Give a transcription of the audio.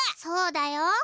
そうだよ。